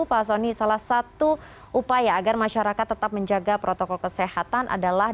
pak soni salah satu upaya agar masyarakat tetap menjaga protokol kesehatan adalah